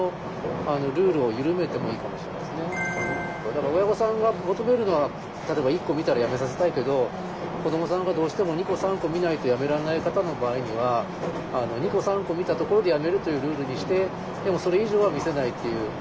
だから親御さんが求めるのは例えば１個見たらやめさせたいけど子どもさんがどうしても２個３個見ないとやめられない方の場合には２個３個見たところでやめるというルールにしてでもそれ以上は見せないっていう。